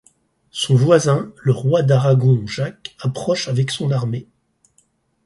Son voisin, le roi d'Aragon Jacques, approche avec son armée.